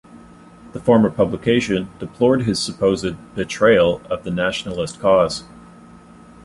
The former publication deplored his supposed "betrayal" of the nationalist cause.